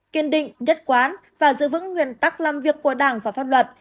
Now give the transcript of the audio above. kiên định nhất quán và giữ vững nguyên tắc làm việc của đảng và pháp luật